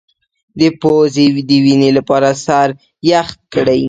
د پوزې د وینې لپاره سر یخ کړئ